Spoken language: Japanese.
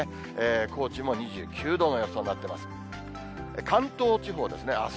高知も２９度の予想になってます。